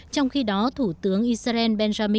trong khi đó thủ tướng israel đã đặt một bản thân cho các quốc gia